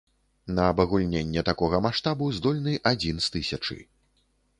На абагульненне такога маштабу здольны адзін з тысячы.